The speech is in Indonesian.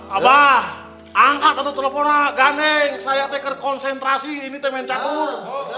abah angkatlah teleponnya gandeng saya teker konsentrasi ini temen cakur